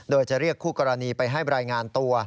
โดยจะเรียกคู่กรณีไปให้รายงานตัว